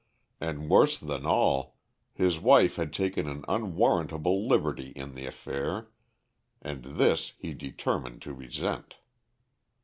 And worse than all, his wife had taken an unwarrantable liberty in the affair, and this he determined to resent.